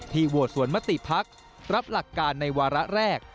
โหวตสวนมติภักดิ์รับหลักการในวาระแรก